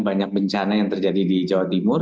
banyak bencana yang terjadi di jawa timur